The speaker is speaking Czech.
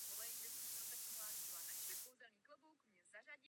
Jste na nejlepším místě, odkud toho lze dosáhnout.